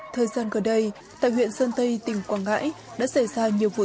thời gian gần đây tại huyện sơn tây tỉnh quảng ngãi đã xảy ra nhiều vụ tự tử